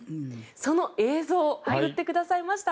その映像送ってくださいました。